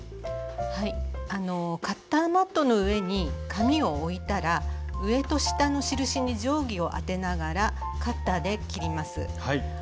あのカッターマットの上に紙を置いたら上と下の印に定規を当てながらカッターで切ります。